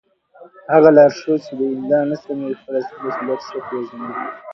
هغه لارښود چي املا نه سموي خپل اصلي مسولیت ښه پېژني.